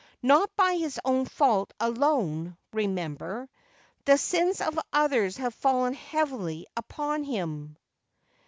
Not by his own fault alone, remember. The sins of others have fallen heavily upon him.'